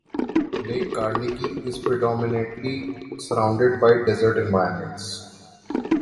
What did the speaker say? Lake Carnegie is predominately surrounded by desert environments.